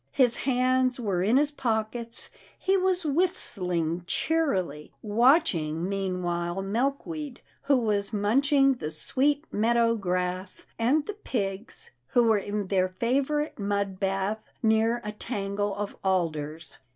His hands were in his pockets, he was whistling cheerily, watching meanwhile Milkweed, who was munching the sweet meadow grass, and the pigs who were in their favourite mud bath near a tangle of alders.